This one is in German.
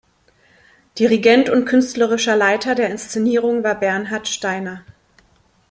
Dirigent und künstlerischer Leiter der Inszenierung war Bernhard Steiner.